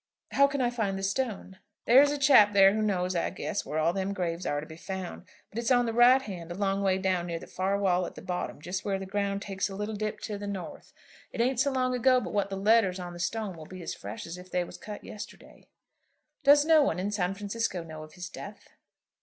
"How can I find the stone?" "There's a chap there who knows, I guess, where all them graves are to be found. But it's on the right hand, a long way down, near the far wall at the bottom, just where the ground takes a little dip to the north. It ain't so long ago but what the letters on the stone will be as fresh as if they were cut yesterday." "Does no one in San Francisco know of his death?"